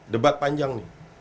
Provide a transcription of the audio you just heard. debat panjang nih